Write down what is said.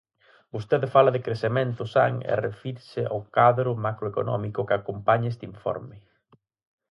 Vostede fala de crecemento san e refírese ao cadro macroeconómico que acompaña este informe.